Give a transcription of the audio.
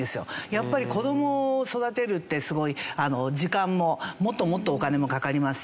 やっぱり子どもを育てるってすごい時間ももっともっとお金もかかりますし。